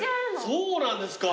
そうなんですか。